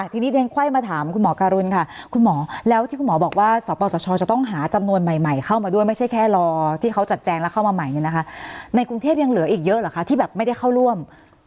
ทีนี้เรียนไขว้มาถามคุณหมอการุณค่ะคุณหมอแล้วที่คุณหมอบอกว่าสปสชจะต้องหาจำนวนใหม่เข้ามาด้วยไม่ใช่แค่รอที่เขาจัดแจงแล้วเข้ามาใหม่เนี่ยนะคะในกรุงเทพยังเหลืออีกเยอะเหรอคะที่แบบไม่ได้เข้าร่วม